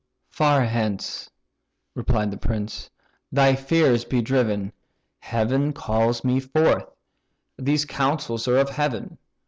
"Far hence (replied the prince) thy fears be driven: Heaven calls me forth; these counsels are of Heaven.